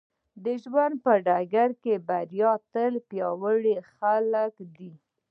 د ژوند په ډګر کې بريا تل د پياوړو خلکو ده.